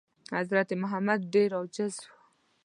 حضرت محمد ﷺ ډېر عاجز و.